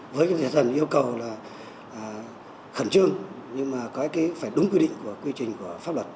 với những dự án yêu cầu là khẩn trương nhưng mà có phải đúng quy định của quy trình của pháp luật